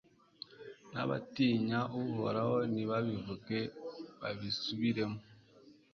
n'abatinya uhoraho nibabivuge babisubiremo